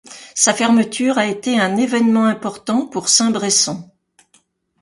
Sa fermeture a été un évènement important pour Saint-Bresson.